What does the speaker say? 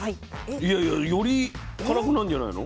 いやいやより辛くなるんじゃないの？